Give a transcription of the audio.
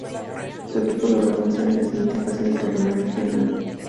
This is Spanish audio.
Su equipo logró avanzar a la siguiente fase del torneo regional.